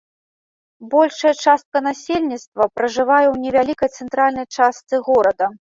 Большая частка насельніцтва пражывае ў невялікай цэнтральнай частцы горада.